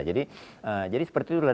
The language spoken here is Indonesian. jadi seperti itulah